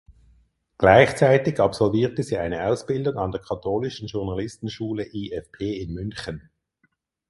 Gleichzeitig absolvierte sie eine Ausbildung an der Katholischen Journalistenschule ifp in München.